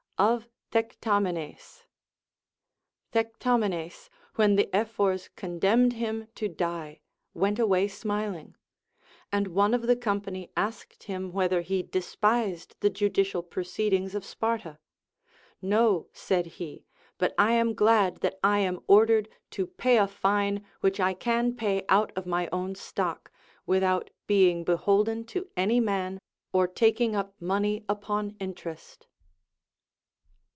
Of TJiectamenes. Thectamenes, when the Ephors condemned him to die, w^ent away smiling ; and one of the company asked him whether he despised the judicial proceedings of Sparta. No, said he, but I am glad that I am ordered to pay a fine which I can pay out of my own stock, without being be holden to any man or taking up money upon interest.